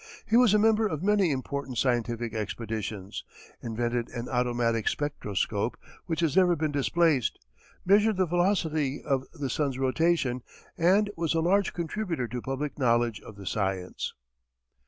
He was a member of many important scientific expeditions, invented an automatic spectroscope which has never been displaced, measured the velocity of the sun's rotation, and was a large contributor to public knowledge of the science.